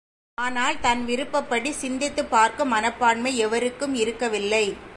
ஆனால் தன்விருப்பப்படி சிந்தித்துப் பார்க்கும் மனப்பான்மை எவருக்கும் இருக்கவில்லை.